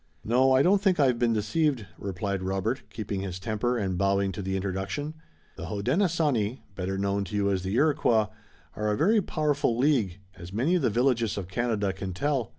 "No, I don't think I've been deceived," replied Robert, keeping his temper, and bowing to the introduction. "The Hodenosaunee, better known to you as the Iroquois, are a very powerful league, as many of the villages of Canada can tell."